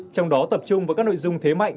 trong đó tập trung vào các nội dung thế mạnh